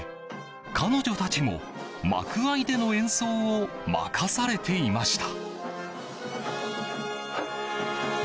彼女たちも幕間での演奏を任されていました。